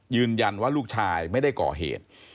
ยืนยันว่าลูกชายไม่ได้ก่อเหตุ